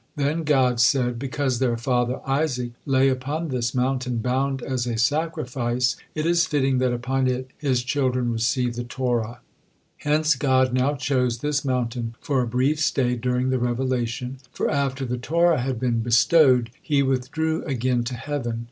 Then God said: "Because their father Isaac lay upon this mountain, bound as a sacrifice, it is fitting that upon it his children receive the Torah." Hence God now chose this mountain for a brief stay during the revelation, for after the Torah had been bestowed, He withdrew again to heaven.